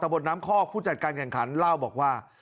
บทน้ำคอกผู้จัดการแข่งขันเล่าบอกว่า